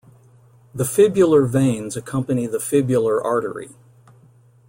The fibular veins accompany the fibular artery.